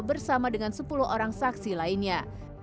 bersama dengan sepuluh orang saksi lainnya